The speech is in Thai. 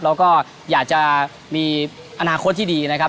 แล้วก็อยากจะมีอนาคตที่ดีนะครับ